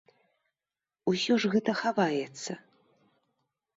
Усё ж гэта хаваецца!